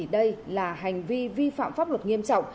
đây là hành vi vi phạm pháp luật nghiêm trọng